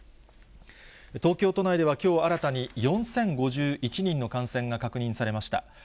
東京都内ではきょう新たに４０５１人の感染が確認されました。